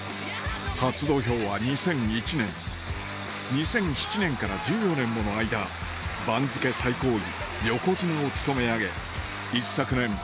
２００７年から１４年もの間番付最高位横綱を務め上げ一昨年